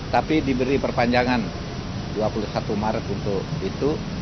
tapi diberi perpanjangan dua puluh satu maret untuk itu